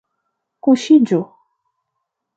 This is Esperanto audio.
Kuŝiĝu!